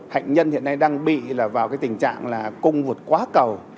hạnh nhân hiện nay đang bị vào cái tình trạng là cung vụt quá cầu